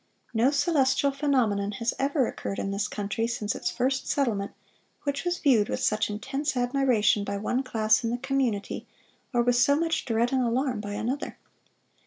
No celestial phenomenon has ever occurred in this country, since its first settlement, which was viewed with such intense admiration by one class in the community, or with so much dread and alarm by another."